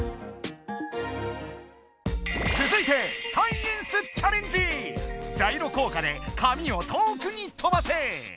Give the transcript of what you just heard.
つづいてジャイロ効果で紙を遠くに飛ばせ！